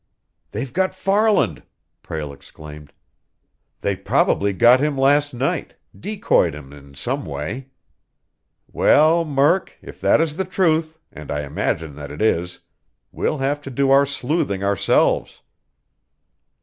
"They've got Farland!" Prale exclaimed. "They probably got him last night, decoyed him in some way. Well, Murk, if that is the truth, and I imagine that it is, we'll have to do our sleuthing ourselves."